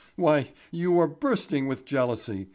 Why, you are bursting with jealousy!